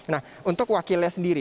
nah untuk wakilnya sendiri